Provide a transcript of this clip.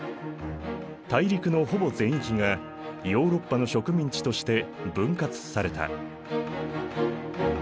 大陸のほぼ全域がヨーロッパの植民地として分割された。